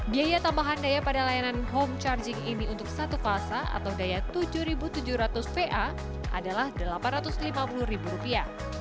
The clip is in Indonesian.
biaya tambahan daya pada layanan home charging ini untuk satu falsa atau daya tujuh tujuh ratus va adalah delapan ratus lima puluh rupiah